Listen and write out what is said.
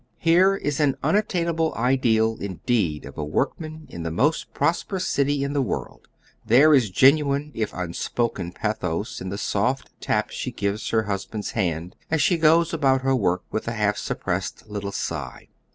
Here is an imattainable ideal, indeed, oE a workman in the most prosperons city in the world ! There is genuine, if nnspoken, pathos in the soft tap she gives her husband's hand as she goes about her work with a half suppressed little sigh.